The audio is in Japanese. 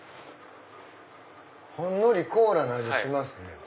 ほんのりコーラの味しますね。